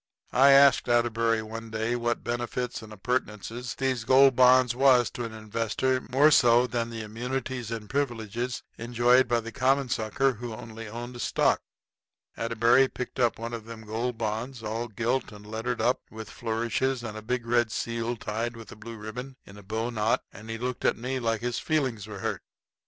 I asked Atterbury one day what benefits and appurtenances these Gold Bonds was to an investor more so than the immunities and privileges enjoyed by the common sucker who only owned stock. Atterbury picked up one of them Gold Bonds, all gilt and lettered up with flourishes and a big red seal tied with a blue ribbon in a bowknot, and he looked at me like his feelings was hurt.